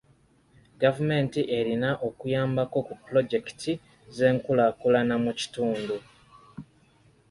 Gavumenti erina okuyambako ku pulojekiti z'enkulaakulana mu kitundu.